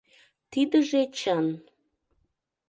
Тидыже чын.